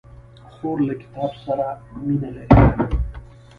خور له کتاب سره مینه لري.